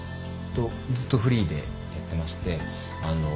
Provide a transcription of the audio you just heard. ずっとフリーでやってましてあの。